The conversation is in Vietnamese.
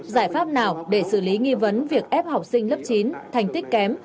giải pháp nào để xử lý nghi vấn việc ép học sinh lớp chín thành tích kém